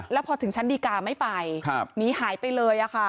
แล้วพอถึงสารดีกาไม่ไปหนีหายไปเลยอะค่ะ